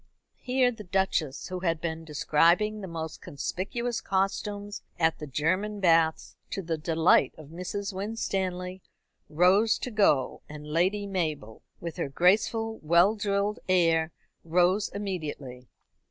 Here the Duchess, who had been describing the most conspicuous costumes at the German baths, to the delight of Mrs. Winstanley, rose to go, and Lady Mabel, with her graceful, well drilled air, rose immediately.